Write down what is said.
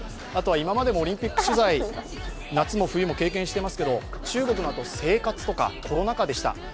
あとは今までもオリンピック取材、夏も冬も経験してますけど中国の生活とか、コロナ禍でした。